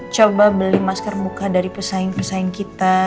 coba beli masker muka dari pesaing pesaing kita